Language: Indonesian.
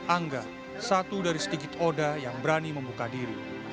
angga satu dari sedikit oda yang berani membuka diri